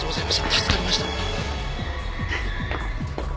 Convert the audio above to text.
助かりました！